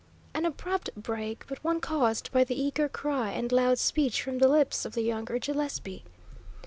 An abrupt break, but one caused by the eager cry and loud speech from the lips of the younger Gillespie.